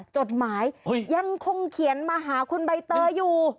จดหมายยังคงเขียนมาหาคุณใบเตยอยู่